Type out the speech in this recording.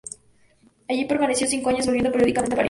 Allí permaneció cinco años, volviendo periódicamente a París.